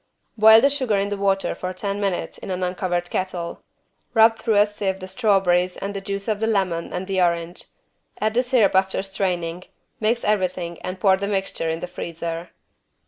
Boil the sugar in the water for ten minutes in an uncovered kettle. Rub through a sieve the strawberries and the juice of the lemon and the orange: add the syrup after straining, mix everything and pour the mixture in the freezer.